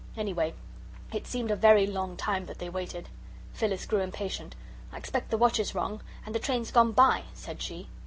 Anyway, it seemed a very long time that they waited. Phyllis grew impatient. "I expect the watch is wrong, and the train's gone by," said she.